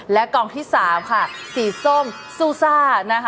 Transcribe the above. และกล่องที่๓ค่ะสีส้มซูซ่า